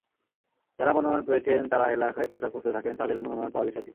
যাঁরা মনোনয়ন পেয়েছেন তাঁরা এলাকায় প্রচার করতে থাকেন তাঁদের মনোনয়ন পাওয়ার বিষয়টি।